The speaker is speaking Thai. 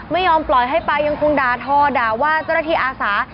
ไม่ยอมปล่อยให้ไปยังคงด่าทอด่าว่าเจ้าหน้าที่อาสา